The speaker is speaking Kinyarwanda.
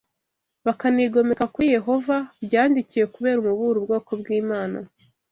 bakanigomeka kuri Yehova, byandikiwe kubera umuburo ubwoko bw’Imana